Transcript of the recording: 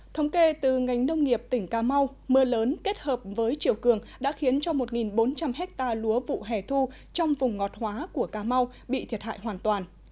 thống kê từ ngành nông nghiệp tỉnh cà mau mưa lớn kết hợp với chiều cường đã khiến cho một bốn trăm linh hectare lúa vụ hẻ thu trong vùng ngọt hóa của cà mau bị thiệt hại hoàn toàn